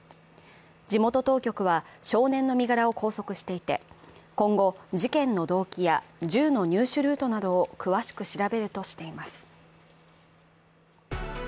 地元当局は、少年の身柄を拘束していて、今後、事件の動機や銃の入手ルートなどを月面探査プログラム